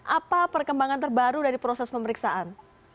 apa perkembangan terbaru dari proses pemeriksaan